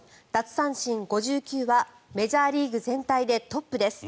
三振５９はメジャーリーグ全体でトップです。